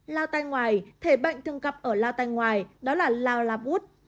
lao tai ngoài thể bệnh thường gặp ở lao tai ngoài đó là lao la bút